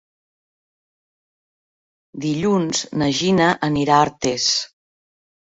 Dilluns na Gina anirà a Artés.